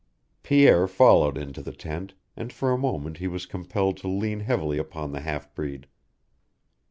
Pierre followed into the tent, and for a moment he was compelled to lean heavily upon the half breed.